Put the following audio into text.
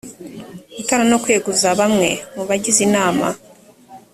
gutora no kweguza bamwe mu bagize inama